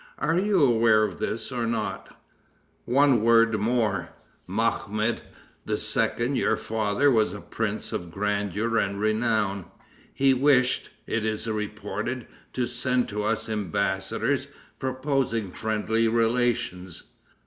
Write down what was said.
Are you aware of this, or not? One word more. Mahomet II., your father, was a prince of grandeur and renown. He wished, it is reported, to send to us embassadors, proposing friendly relations.